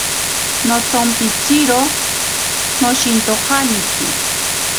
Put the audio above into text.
Notsompitziro noshintojaniki.